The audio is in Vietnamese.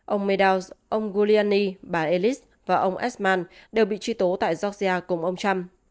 ông medals ông giuliani bà ellis và ông edmund đều bị truy tố tại georgia cùng ông trump